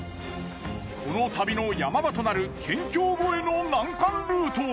この旅の山場となる県境越えの難関ルート。